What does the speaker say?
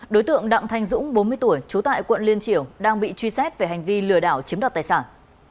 đối tượng đặng thanh dũng bốn mươi tuổi trú tại quận liên triểu đang bị truy xét về hành vi lừa đảo chiếm đoạt tài sản